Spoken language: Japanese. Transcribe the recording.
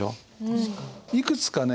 いくつかね